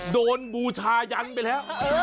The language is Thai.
บูชายันไปแล้ว